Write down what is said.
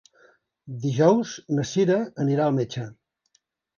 Dijous na Cira anirà al metge.